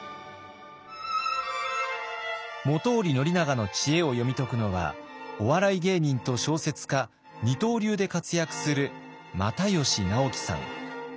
本居宣長の知恵を読み解くのはお笑い芸人と小説家二刀流で活躍する又吉直樹さん。